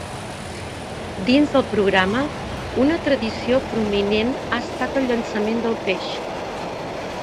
Dins del programa, una tradició prominent ha estat el llançament del peix.